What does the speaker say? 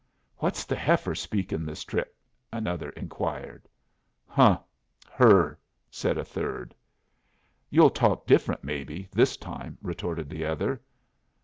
"What's the heifer speakin' this trip?" another inquired. "Huh! Her!" said a third. "You'll talk different, maybe, this time," retorted the other.